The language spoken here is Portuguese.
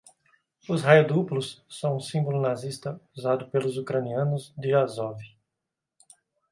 Os raios duplos são um símbolo nazista usado pelos ucranianos de Azov